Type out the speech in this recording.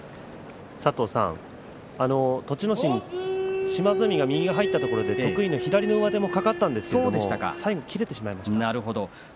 心島津海が右、入ったところで得意の左の上手がかかったんですけれども最後、切れてしまいました。